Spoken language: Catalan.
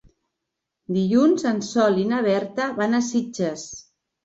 Dilluns en Sol i na Berta van a Sitges.